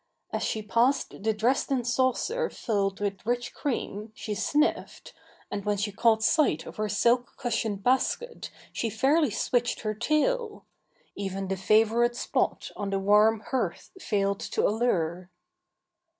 As she passed the Dresden saucer filled with rich cream she sniffed, and when she caught sight of her silk cushioned basket she fairly switched her tail. Even the favourite spot on the warm hearth failed to allure.